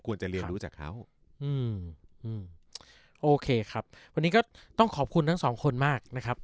จะเรียนรู้จากเขาอืมอืมโอเคครับวันนี้ก็ต้องขอบคุณทั้งสองคนมากนะครับ